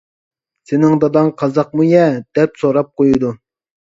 «سېنىڭ داداڭ قازاقمۇ يە؟ !» دەپ سوراپ قويىدۇ.